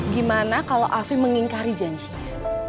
gimana kalau afi mengingkari janjinya